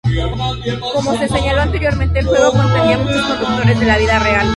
Como se señaló anteriormente, el juego contenía muchos conductores de la vida real.